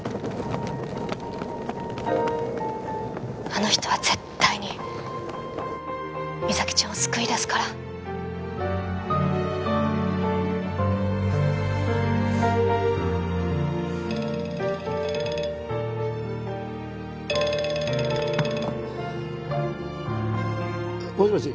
あの人は絶対に実咲ちゃんを救い出すからもしもし